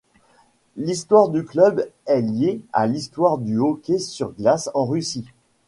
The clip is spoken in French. L'histoire du club est lié à l'histoire de hockey sur glace en Russie.